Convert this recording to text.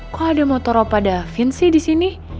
kok ada motor opa davin sih disini